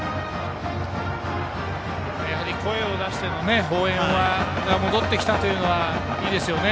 やはり声を出しての応援が戻ってきたというのはいいですよね。